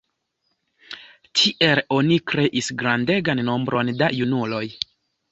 Tiel oni kreis grandegan nombron da junuloj.